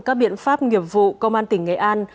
các biện pháp nghiệp vụ công an tỉnh nghệ an